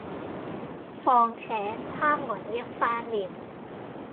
況且他們一翻臉，